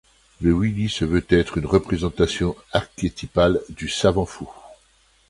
Le Wily se veut être une représentation archétypale du savant fou.